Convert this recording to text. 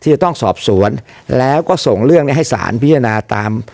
จะต้องสอบสวนแล้วก็ส่งเรื่องนี้ให้สารพิจารณาตาม